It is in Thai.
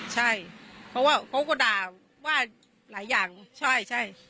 ใช่เขาก็ด่าว่ารายอย่างใช่